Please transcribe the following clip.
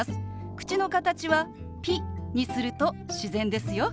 口の形は「ピ」にすると自然ですよ。